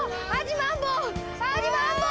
マンボウ。